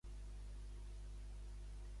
On es pot trobar Lurdane o el dimoni taujà?